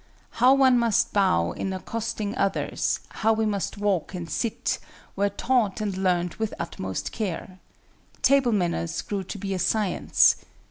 How one must bow in accosting others, how he must walk and sit, were taught and learned with utmost care. Table manners grew to be a science.